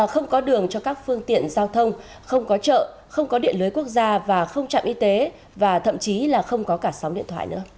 không có đường cho các phương tiện giao thông không có chợ không có điện lưới quốc gia và không trạm y tế và thậm chí là không có cả sóng điện thoại nữa